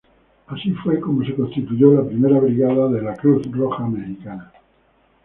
Fue así como se constituyó la primera brigada de la Cruz Roja Mexicana.